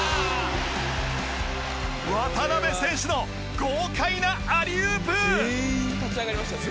渡邊選手の豪快なアリウープ。